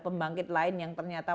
pembangkit lain yang ternyata